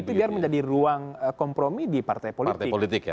itu biar menjadi ruang kompromi di partai politik